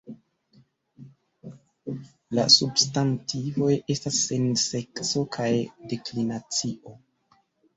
La substantivoj estas sen sekso kaj deklinacio.